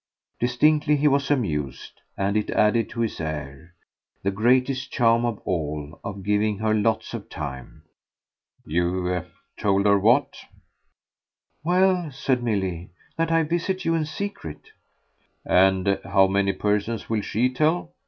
Distinctly he was amused, and it added to his air the greatest charm of all of giving her lots of time. "You've told her what?" "Well," said Milly, "that I visit you in secret." "And how many persons will she tell?"